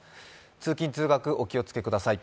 通勤・通学、お気をつけください。